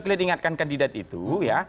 kalian ingatkan kandidat itu ya